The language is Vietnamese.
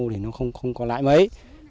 thì nó không có lãi mấy